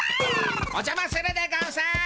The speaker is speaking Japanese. おじゃまするでゴンス。